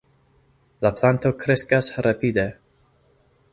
La planto kreskas rapide.